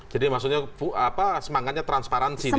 jadi maksudnya apa semangatnya transparansi disitu